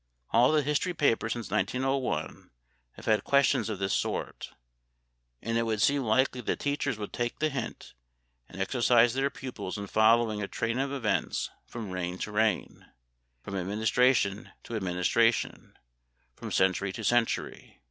All the history papers since 1901 have had questions of this sort, and it would seem likely that teachers would take the hint and exercise their pupils in following a train of events from reign to reign, from administration to administration, from century to century.